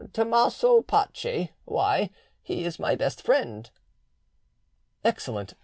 "Tommaso Pace; why, he is my best friend." "Excellent.